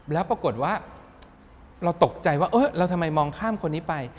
แล้วปรากฏว่าเราตกใจว่าเราทำไมมองข้ามคนนี้ไป